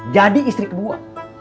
jadi istri kedua